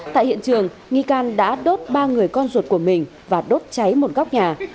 tại hiện trường nghi can đã đốt ba người con ruột của mình và đốt cháy một góc nhà